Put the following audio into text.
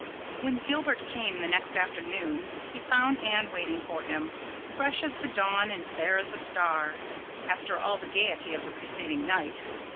When Gilbert came the next afternoon he found Anne waiting for him, fresh as the dawn and fair as a star, after all the gaiety of the preceding night.